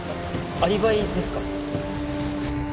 アリバイですか？